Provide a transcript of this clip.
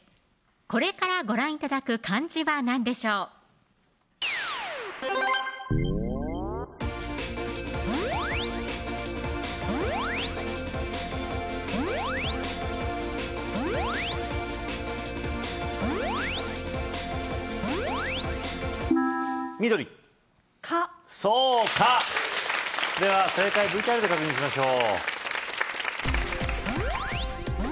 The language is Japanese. これからご覧頂く漢字は何でしょう緑蚊そう蚊では正解ＶＴＲで確認しましょう